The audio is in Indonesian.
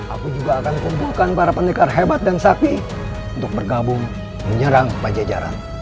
aku juga akan kumpulkan para pendekar hebat dan sakti untuk bergabung menyerang pajajaran